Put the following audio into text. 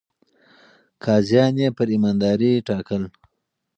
قاضيان يې پر ايماندارۍ ټاکل.